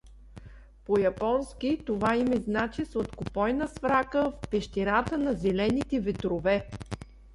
По японски това име значи „Сладкопойна сврака в пещерата на зелените ветрове“.